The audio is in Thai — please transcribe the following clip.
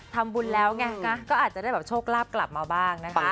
ทำบุญแล้วไงก็อาจจะได้แบบโชคลาภกลับมาบ้างนะคะ